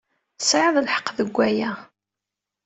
Tesɛid lḥeqq deg waya.